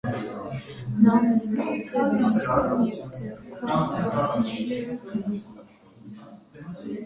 Նա նստած է դիրքում է և ձեռքով բռնել է գլուխը։